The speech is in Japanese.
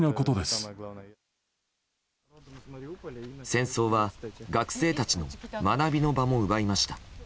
戦争は学生たちの学びの場も奪いました。